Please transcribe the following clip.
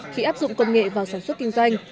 khi áp dụng công nghệ vào sản xuất kinh doanh